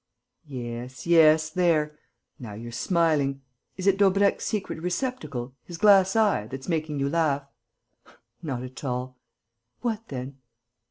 "Yes, yes.... There ... now you're smiling.... Is it Daubrecq's secret receptacle, his glass eye, that's making you laugh?" "Not at all." "What then?"